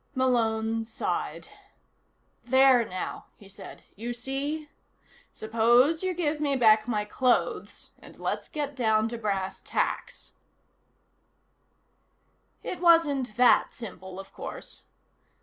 Malone sighed. "There, now," he said. "You see? Suppose you give me back my clothes and let's get down to brass tacks." It wasn't that simple, of course.